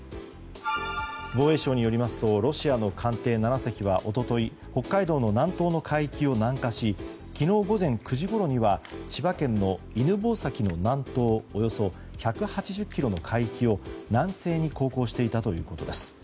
防衛省によりますとロシアの艦艇７隻は一昨日、北海道の南東の海域を南下し昨日午前９時ごろには千葉県の犬吠埼の南東およそ１８０ｋｍの海域を南西に航行していたということです。